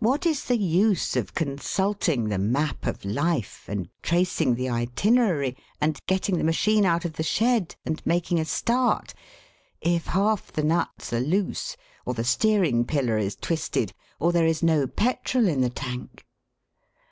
What is the use of consulting the map of life and tracing the itinerary, and getting the machine out of the shed, and making a start, if half the nuts are loose, or the steering pillar is twisted, or there is no petrol in the tank?